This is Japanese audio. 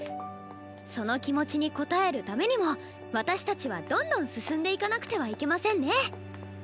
その気持ちに応えるためにも私たちはどんどん進んでいかなくてはいけませんね。